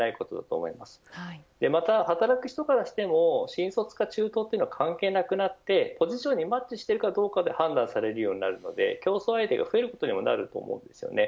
また働く人からしても新卒か中途かは関係なくなってポジションにマッチしているかどうかで判断されるようになるので競争相手が増えることにもなります。